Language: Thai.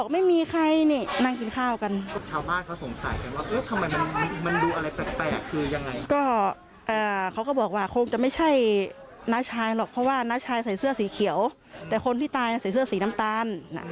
ไม่ใช่น้าชายหรอกเพราะว่าน้าชายใส่เสื้อสีเขียวแต่คนที่ตายใส่เสื้อสีน้ำตาล